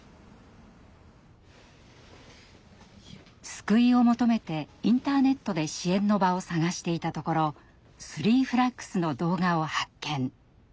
救いを求めてインターネットで支援の場を探していたところＴＨＲＥＥＦＬＡＧＳの動画を発見。